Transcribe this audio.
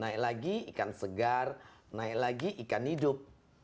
naik lagi ikan segar naik lagi ikan hidup